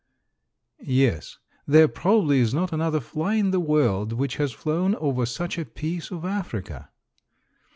"Yes. There probably is not another fly in the world which has flown over such a piece of Africa."